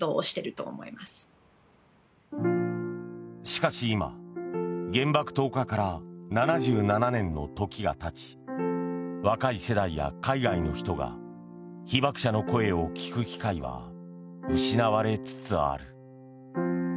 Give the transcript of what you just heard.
しかし、今原爆投下から７７年の時がたち若い世代や海外の人が被爆者の声を聞く機会は失われつつある。